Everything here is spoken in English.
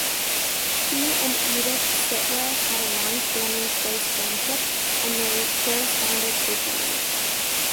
He and Edith Sitwell had a long-standing close friendship and they corresponded frequently.